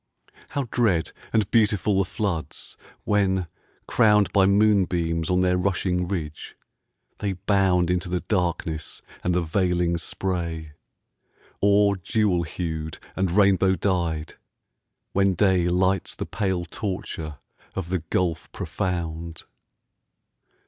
How dread and beautiful the floods, when, crowned By moonbeams on their rushing ridge, they bound Into the darkness and the veiling spray; Or, jewel hued and rainbow dyed, when day Lights the pale torture of the gulf profound!